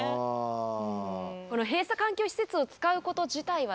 この閉鎖環境施設を使うこと自体はですね